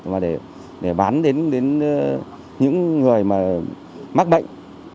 và để bán đến những người mắc bệnh